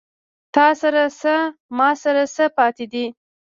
تاســـره څـــه، ما ســـره څه پاتې دي